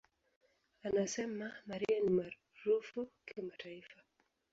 Anasema, "Mariah ni maarufu kimataifa.